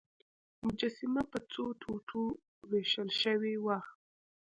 مجسمه په څو ټوټو ویشل شوې وه.